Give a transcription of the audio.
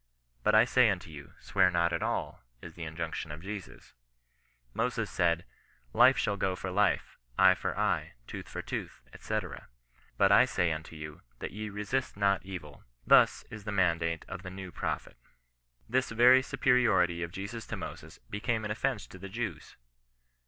" But I say unto you, swear not at all," is the injunction of Jesus. Moses said —^ life shall go for life, eye for eye, tooth for tooth," &c. " But I say unto you, that ye resist not evil " thus, is the mandate of the new Prophet. This very superi ority of Jesus to Moses became an offence to the Jews.